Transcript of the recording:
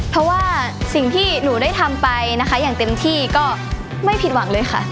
เพราะว่าสิ่งที่หนูได้ทำไปนะคะอย่างเต็มที่ก็ไม่ผิดหวังเลยค่ะ